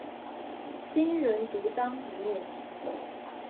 新人獨當一面